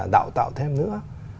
đạo tạo thêm nữa